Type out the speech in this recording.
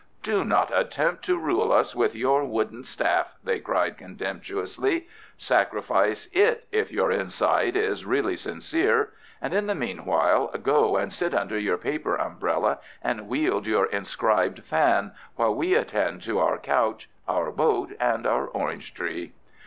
"Do not attempt to rule us with your wooden staff," they cried contemptuously. "Sacrifice IT if your inside is really sincere. And, in the meanwhile, go and sit under your paper umbrella and wield your inscribed fan, while we attend to our couch, our boat, and our orange tree."